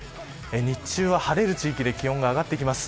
日中は晴れる地域で気温が上がっていきます。